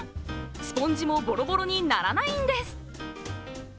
スポンジもボロボロにならないんです。